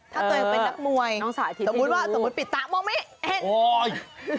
ถ้าตัวเองเป็นนักม้วยสมมติปิดตามองไม่เห็น